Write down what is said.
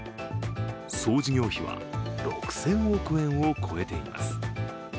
総事業費は６０００億円を超えています。